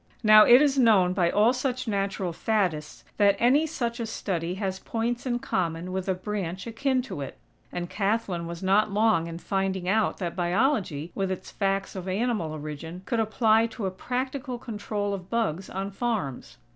Now it is known by all such natural "faddists" that any such a study has points in common with a branch akin to it; and Kathlyn was not long in finding out that Biology, with its facts of animal origin, could apply to a practical control of bugs on farms.